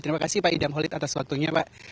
terima kasih pak idam holid atas waktunya pak